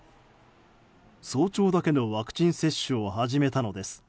早朝だけのワクチン接種を始めたのです。